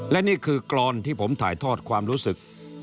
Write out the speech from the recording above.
และนี่คือกรอนที่ผมถ่ายทอดความรู้สึก